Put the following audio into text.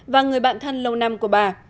và người bạn thân lâu năm của bà